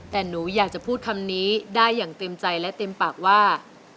แต่หนูอยากจะพูดคำนี้ได้อย่างเต็มใจและเต็มปากว่า